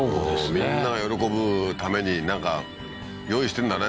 みんなが喜ぶためになんか用意してんだね